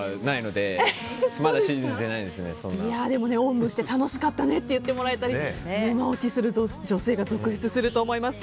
でもおんぶして楽しかったねって言ってもらえたり沼落ちする女性が続出すると思います。